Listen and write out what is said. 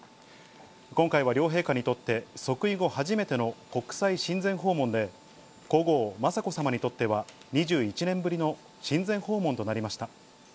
今回は両陛下にとって、即位後初めての国際親善訪問で、皇后雅子さまにとっては、２１年ぶりの親善訪問となりました。